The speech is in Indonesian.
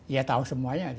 iya tahu semuanya